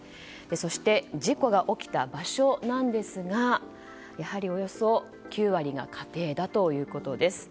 そして、事故が起きた場所ですがやはり、およそ９割が家庭だということです。